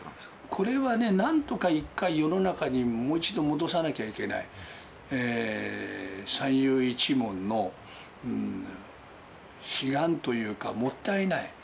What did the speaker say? これはね、なんとか一回、世の中にもう一度戻さなきゃいけない、三遊一門の悲願というか、もったいない。